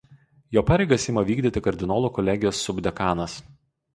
Jo pareigas ima vykdyti Kardinolų kolegijos subdekanas.